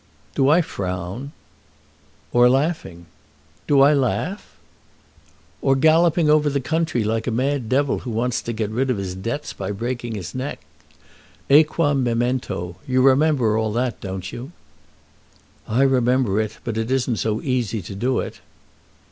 "Do I frown?" "Or laughing." "Do I laugh?" "Or galloping over the country like a mad devil who wants to get rid of his debts by breaking his neck. Æquam memento . You remember all that, don't you?" "I remember it; but it isn't so easy to do it."